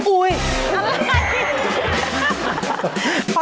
อุ๊ยอะไร